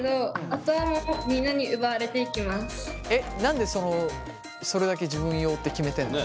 えっ何でそれだけ自分用って決めてんの？